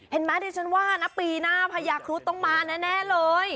เห็นไหมดิฉันว่านะปีหน้าพญาครุฑต้องมาแน่เลย